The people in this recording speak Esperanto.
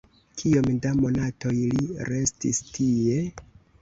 Kiom da monatoj li restis tie?